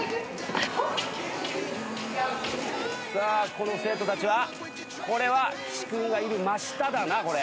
この生徒たちはこれは岸君がいる真下だなこれ。